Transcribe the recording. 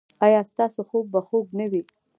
ایا ستاسو خوب به خوږ نه وي؟